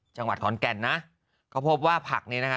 จังหวัดขอนแก่นนะเขาพบว่าผักนี้นะคะ